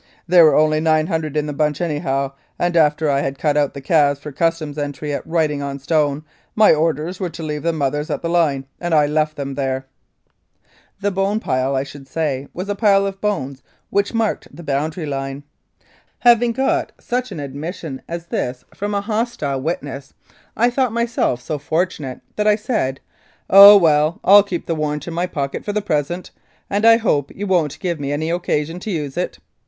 There were only 900 in the bunch anyhow; and after I had cut out the calves for Customs entry at Writing on Stone, my orders were to leave the mothers at the line, and I left them there." The "Bone Pile," I should say, was a pile of bones which marked the boundary line. Having got such an admission as this from a hostile 16; Mounted Police Life in Canada witness, I thought myself so fortunate that I said, " Oh ! well, I'll keep the warrant in my pocket for the present, and I hope you won't give me any occasion to use it."